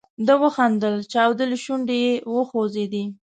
ده وخندل، چاودلې شونډې یې وخوځېدې.